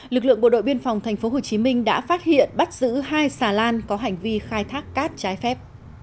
lực lượng bộ đội biên phòng tp hcm đã phát hiện bắt giữ hai xà lan có hành vi khai thác cát trái phép